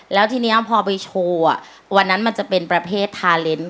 แล้วทีนี้พอไปโชว์วันนั้นมันจะเป็นประเภททาเลนส์